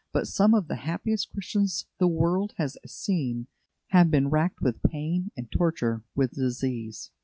But some of the happiest Christians the world has seen have been racked with pain and tortured with disease.